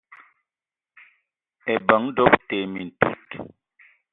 Ebeng doöb te mintout.